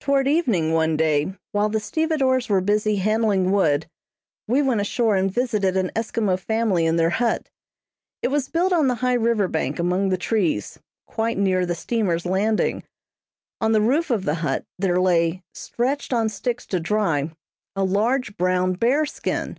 Toward evening one day, while the stevedores were busy handling wood, we went ashore and visited an Eskimo family in their hut. It was built on the high river bank among the trees, quite near the steamer's landing. On the roof of the hut, there lay, stretched on sticks to dry, a large brown bear skin.